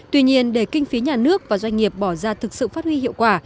tuy nhiên để kinh phí nhà nước và doanh nghiệp bỏ ra thực sự phát huy hiệu quả